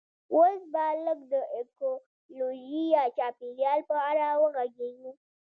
اوس به لږ د ایکولوژي یا چاپیریال په اړه وغږیږو